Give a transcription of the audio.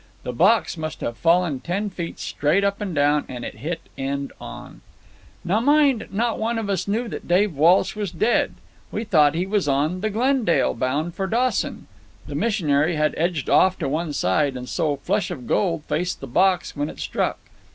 The box must have fallen ten feet straight up and down, and it hit end on. "Now mind you, not one of us knew that Dave Walsh was dead. We thought he was on the Glendale, bound for Dawson. The missionary had edged off to one side, and so Flush of Gold faced the box when it struck.